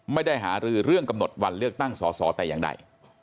ไม่ได้หารือเรื่องกำหนดวันเลือกตั้งสอสอแต่อย่างใด